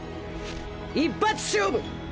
一発勝負。